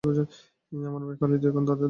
আমার ভাই খালিদও এখন তাদের দলে।